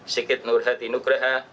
sikit nurhati nugraha